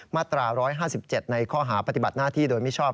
มาตรา๑๕๗ในข้อหาปฏิบัติหน้าที่โดยมิชอบ